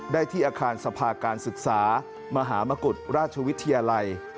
ได้ที่อาคารสภาการศึกษามหามกุฎราชวิทยาลัย